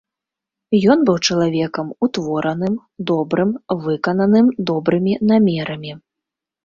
Ён быў чалавекам утвораным, добрым, выкананым добрымі намерамі.